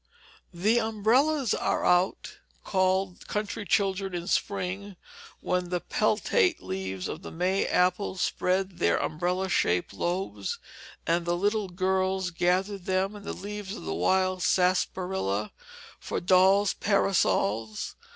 "The umbrellas are out!" call country children in spring, when the peltate leaves of the May apple spread their umbrella shaped lobes, and the little girls gather them, and the leaves of the wild sarsaparilla, for dolls' parasols.